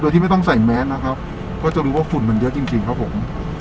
โดยที่ไม่ต้องใส่แมสนะครับก็จะรู้ว่าฝุ่นมันเยอะจริงจริงครับผม